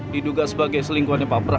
diduga sebagai selingkuhannya pak pras